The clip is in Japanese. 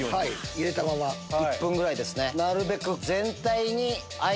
入れたまま１分ぐらいですね。